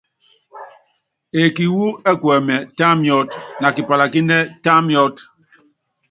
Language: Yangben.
Eeki wu ɛkuɛmɛ, tá miɔ́t, na kipalakínɛ́, tá miɔ́t.